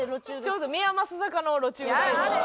ちょうど宮益坂の路チュー。